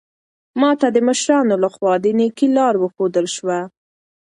ما ته د مشرانو لخوا د نېکۍ لار وښودل شوه.